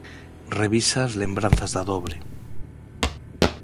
Revisa as lembranzas da dobre.